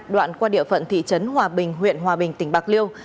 đoạn qua địa phận thị trấn hòa bình huyện hòa bình tỉnh bạc liêu